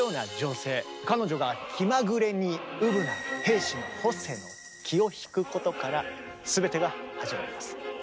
彼女が気まぐれにうぶな兵士のホセの気を引くことから全てが始まります。